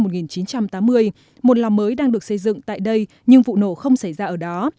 một lò mới đang được xây dựng tại đây nhưng vụ nổ không xảy ra ở đó